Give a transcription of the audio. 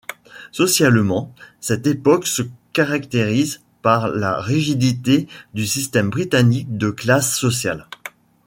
Socialement, cette époque se caractérise par la rigidité du système britannique de classe sociale.